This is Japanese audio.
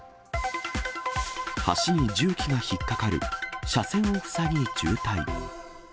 橋に重機が引っ掛かる、車線を塞ぎ渋滞。